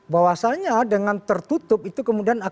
bahwasanya dengan tertutup itu kemudian akan